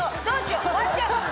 どうしよう。